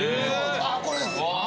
ああこれです！